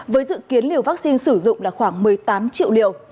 với dự kiến liều vắc xin sử dụng là khoảng một mươi tám triệu liều